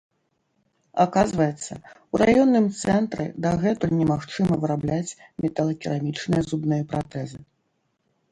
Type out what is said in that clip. Аказваецца, у раённым цэнтры дагэтуль немагчыма вырабляць металакерамічныя зубныя пратэзы.